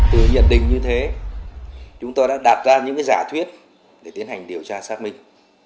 từ nhận định như thế chúng tôi đã đặt ra những giả thuyết để tiến hành điều tra xác minh